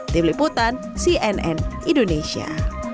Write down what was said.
tim liputan cnn indonesia